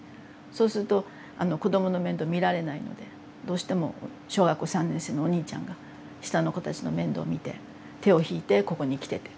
そうすると子どもの面倒見られないのでどうしても小学校３年生のお兄ちゃんが下の子たちの面倒見て手を引いてここに来てて。